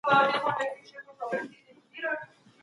په کور کې د سولې او آرامۍ فضا رامنځته کړئ.